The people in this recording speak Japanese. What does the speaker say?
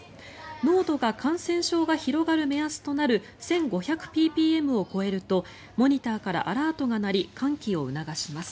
濃度が感染症が広がる目安となる１５００ｐｐｍを超えるとモニターからアラートが鳴り換気を促します。